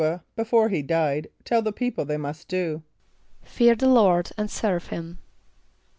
a], before he died, tell the people they must do? =Fear the Lord and serve him.